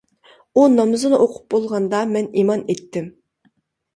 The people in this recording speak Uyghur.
ئۇ نامىزىنى ئوقۇپ بولغاندا مەن ئىمان ئېيتتىم.